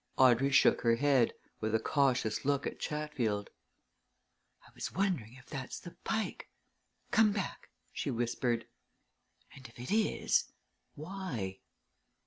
Audrey shook her head, with a cautious look at Chatfield. "I was wondering if that's the Pike? come back!" she whispered. "And if it is why?"